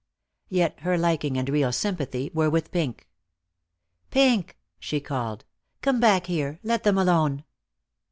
Yet her liking and real sympathy were with Pink. "Pink!" she called, "Come back here. Let them alone."